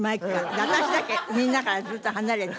私だけみんなからずっと離れて。